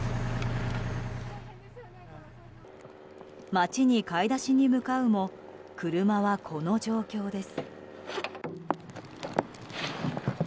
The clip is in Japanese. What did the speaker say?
街に買い出しに向かうも車はこの状況です。